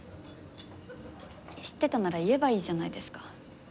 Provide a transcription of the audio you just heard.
知ってたなら言えばいいじゃないですか。